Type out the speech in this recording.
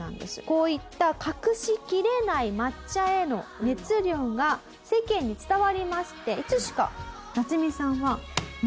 こういった隠しきれない抹茶への熱量が世間に伝わりましていつしかナツミさんは。